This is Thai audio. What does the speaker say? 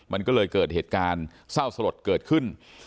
มันก็เลยเกิดเหตุการณ์เศร้าสลดเกิดขึ้น